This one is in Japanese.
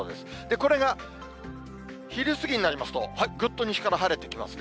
これが昼過ぎになりますと、ぐっと西から晴れてきますね。